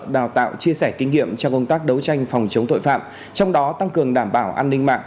đào tạo chia sẻ kinh nghiệm trong công tác đấu tranh phòng chống tội phạm trong đó tăng cường đảm bảo an ninh mạng